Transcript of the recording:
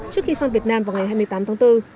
trước khi sang việt nam vào ngày hai mươi tám tháng bốn